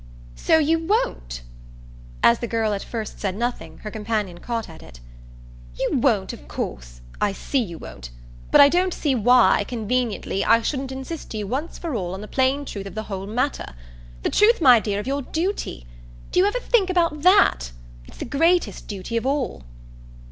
"So you WON'T?" As the girl at first said nothing her companion caught at it. "You won't, of course? I see you won't. But I don't see why, conveniently, I shouldn't insist to you once for all on the plain truth of the whole matter. The truth, my dear, of your duty. Do you ever think about THAT? It's the greatest duty of all."